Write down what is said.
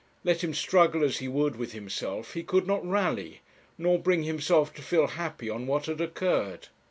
Let him struggle as he would with himself he could not rally, nor bring himself to feel happy on what had occurred.